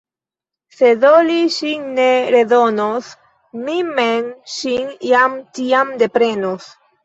Se do li ŝin ne redonos, mi mem ŝin jam tiam deprenos.